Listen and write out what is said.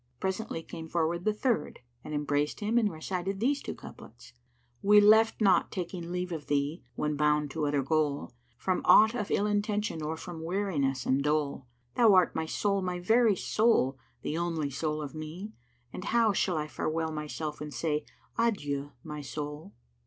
"[FN#97] Presently came forward the third and embraced him and recited these two couplets, "We left not taking leave of thee (when bound to other goal) * From aught of ill intention or from weariness and dole: Thou art my soul, my very soul, the only soul of me: * And how shall I farewell myself and say, 'Adieu my Soul?'"